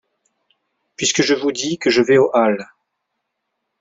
Puisque je vous dis que je vais aux Halles !